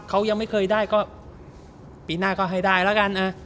เขายังไม่เคยได้ก็ปีหน้าก็ให้ได้แล้วกันนะ